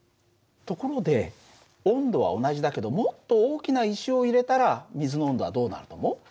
ところで温度は同じだけどもっと大きな石を入れたら水の温度はどうなると思う？